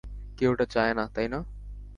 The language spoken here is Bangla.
কেউ এটা চায় না, তাই না?